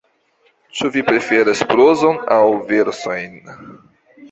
Ĉu vi preferas prozon aŭ versojn?